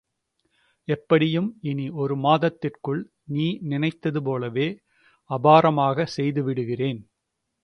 எப்படியும், இனி ஒரு மாதத்திற்குள், நீ நினைத்தது போலவே அபாரமாக செய்து விடுகிறேன்.